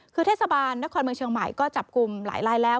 คือเทศบาลนครเมืองเชียงใหม่ก็จับกลุ่มหลายลายแล้ว